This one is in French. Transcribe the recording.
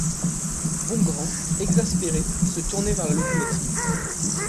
Bongrand, exaspéré, se tournait vers la locomotive.